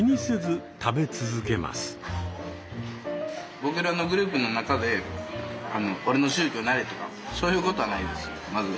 僕らのグループの中で俺の宗教なれとかそういうことはないです。